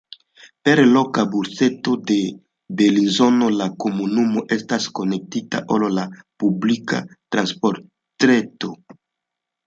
Per la loka busreto de Belinzono la komunumo estas konektita al la publika transportreto.